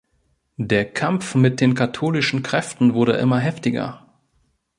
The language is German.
Der Kampf mit den katholischen Kräften wurde immer heftiger.